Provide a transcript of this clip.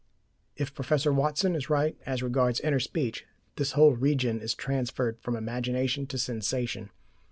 If Professor Watson is right as regards inner speech, this whole region is transferred from imagination to sensation.